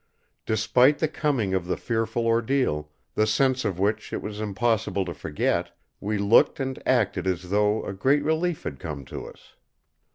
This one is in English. Despite the coming of the fearful ordeal, the sense of which it was impossible to forget, we looked and acted as though a great relief had come to us.